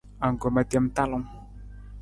Anggoma tem talung.